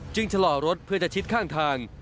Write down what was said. จึงชะลอรถเพื่อชิดข้างทาง